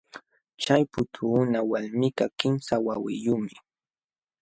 Chay putuuna walmikaq kimsa wawiyuqmi.